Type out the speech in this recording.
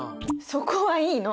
そこはいいの。